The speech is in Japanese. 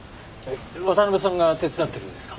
渡辺さんが手伝ってるんですか？